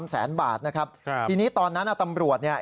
แสนบาทนะครับทีนี้ตอนนั้นอ่ะตำรวจเนี่ย